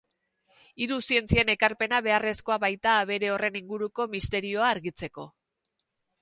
Hiru zientzien ekarpena beharrezkoa baita abere horren inguruko misterioa argitzeko.